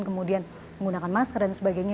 kemudian menggunakan masker dan sebagainya